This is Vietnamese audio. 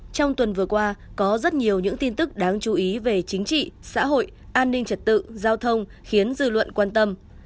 trong tuần vừa qua có rất nhiều những tin tức đáng chú ý về chính trị xã hội an ninh trật tự giao thông khiến dư luận quan tâm